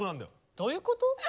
どういうこと？